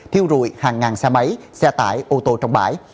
thiêu rụi hàng ngàn xe máy xe tải ô tô trong bãi